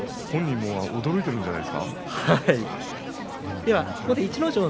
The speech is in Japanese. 本人も驚いているんじゃないですか？